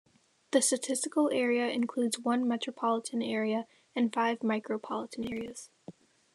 The statistical area includes one metropolitan area and five micropolitan areas.